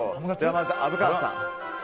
まずは虻川さん。